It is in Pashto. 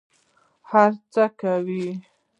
هر څه کوه.